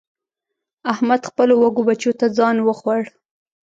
احمد خپلو وږو بچو ته ځان وخوړ.